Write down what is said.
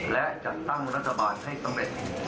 และจัดตั้งรัฐบาลให้สำเร็จ